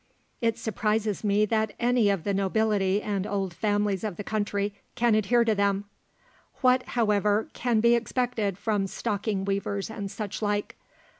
It surprises me that any of the nobility and old families of the country can adhere to them. What, however, can be expected from stocking weavers and such like?